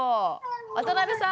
渡邊さん